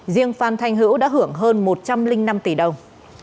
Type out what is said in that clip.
riêng phan thanh hữu đã hưởng hơn một trăm linh năm tỷ đồng